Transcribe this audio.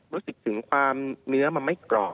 รู้สึกถึงความเนื้อมันไม่กรอบ